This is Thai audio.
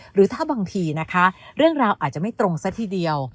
หรือถ้าบางทีนะคะเรื่องราวอาจจะไม่ตรงซะทีเดียว